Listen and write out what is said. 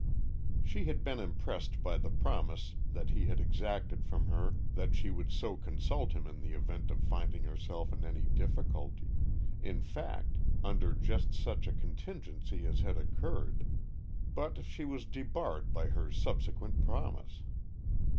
She had been impressed by the promise that he had exacted from her that she would so consult him in the event of finding herself in any difficulty; in fact, under just such a contingency as had occurred; but she was debarred by her subsequent promise.